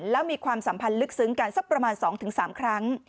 แล้วมีความสัมพันธ์ลึกซึ้งกันสักประมาณ๒๓ครั้ง